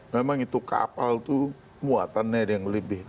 memang itu kapal itu muatannya ada yang lebih